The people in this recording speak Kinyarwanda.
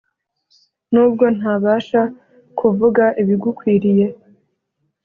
nubwo ntabasha kuvugaibigukwiriye